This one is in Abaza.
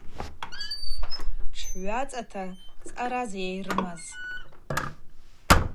Тшгӏвацата зъаразйа йрымаз?